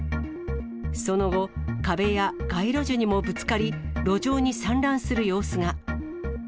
その後、壁や街路樹にもぶつかり、路上に散乱する様子が。